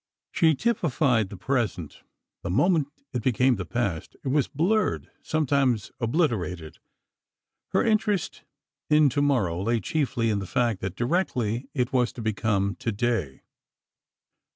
She typified the present. The moment it became the past, it was blurred—sometimes obliterated. Her interest in tomorrow lay chiefly in the fact that directly it was to become today.